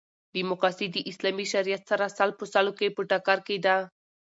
ډیموکاسي د اسلامي شریعت سره سل په سلو کښي په ټکر کښي ده.